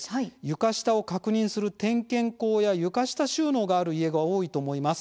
床下を確認する点検口や床下収納がある家が多いと思います。